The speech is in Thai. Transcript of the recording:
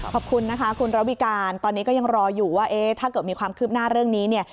ขอบคุณนะคะคุณระวิการตอนนี้ก็ยังรออยู่ว่าถ้าเกิดมีความคืบหน้าเรื่องนี้เนี่ย